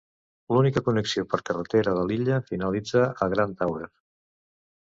L'única connexió per carretera de l'illa finalitza a Grand Tower.